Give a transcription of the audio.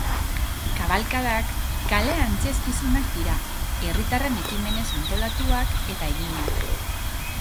Kabalkadak kale antzezkizunak dira, herritarren ekimenez antolatuak eta eginak.